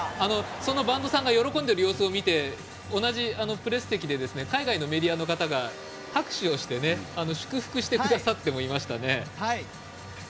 その播戸さんが喜んでいる様子を見て同じプレス席で海外のメディアの方が拍手をして祝福してくださってもいましたね。